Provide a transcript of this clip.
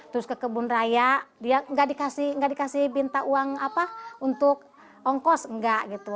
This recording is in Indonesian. terus ke kebun raya dia enggak dikasih binta uang apa untuk ongkos enggak gitu